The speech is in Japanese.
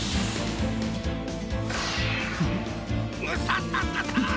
ムササササ！